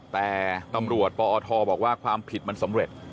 แต่ตำรวจปอทบอกว่าความผิดมันสำเร็จ